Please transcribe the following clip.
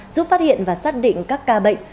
giúp phát hiện và xác định các ca bệnh